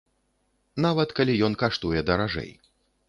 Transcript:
Нават калі ён каштуе даражэй.